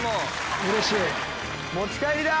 持ち帰りだ！